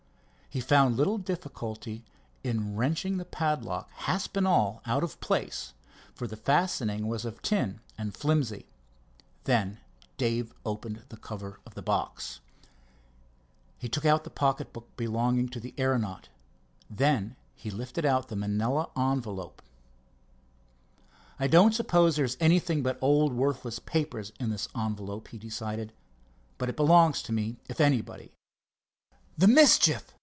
He found little difficulty in wrenching the padlock, hasp and all, out of place, for the fastening was of tin, and flimsy. Then Dave opened the cover of the box. He took out the pocket book belonging to the aeronaut. Then he lifted out the manilla envelope. "I don't suppose there's anything but old worthless papers in this envelope," he decided, "but it belongs to me, if anybody. The mischief!"